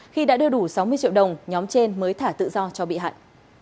khi đã đưa đủ sáu mươi triệu đồng nhóm trên mới thả tự do cho bị hại